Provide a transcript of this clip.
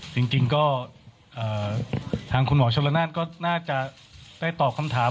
จริงจริงก็เอ่อทางคุณหมอชะละนาดก็น่าจะได้ตอบคำถาม